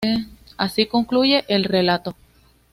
Así concluye el relato.